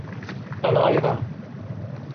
أنا أيضاً.